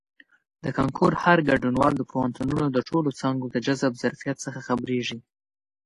د کانکور هر ګډونوال د پوهنتونونو د ټولو څانګو د جذب ظرفیت څخه خبریږي.